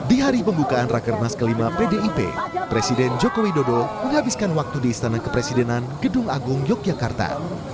di hari pembukaan rakernas kelima pdip presiden joko widodo menghabiskan waktu di istana kepresidenan gedung agung yogyakarta